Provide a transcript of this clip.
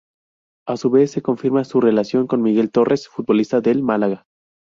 A su vez se confirma su relación con Miguel Torres, futbolista del Málaga.